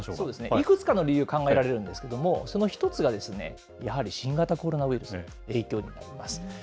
いくつかの理由、考えられるんですけれども、その一つはですね、やはり新型コロナウイルスの影響になります。